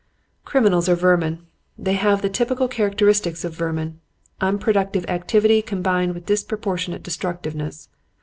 "Criminals are vermin. They have the typical characters of vermin; unproductive activity combined with disproportionate destructiveness.